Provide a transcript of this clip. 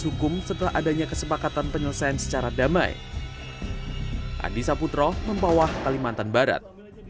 hukum setelah adanya kesepakatan penyelesaian secara damai adi saputro mempawah kalimantan barat